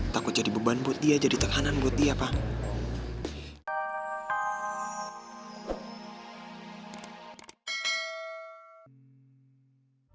takut jadi beban buat dia jadi tahanan buat dia pak